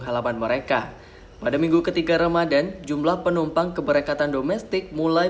halaman mereka pada minggu ketiga ramadan jumlah penumpang keberakatan domestik mulai